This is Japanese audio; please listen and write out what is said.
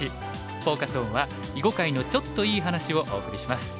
フォーカス・オンは「囲碁界の“ちょっと”いい話」をお送りします。